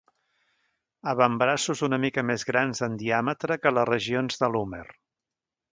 Avantbraços una mica més grans en diàmetre que les regions de l'húmer.